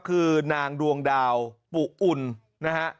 คือนางดวงดาวปุอุ่นนะฮะ